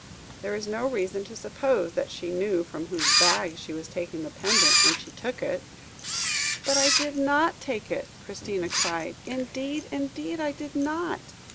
There is no reason to suppose that she knew from whose bag she was taking the pendant, when she took it." "But I did not take it," Christina cried; "indeed, indeed, I did not.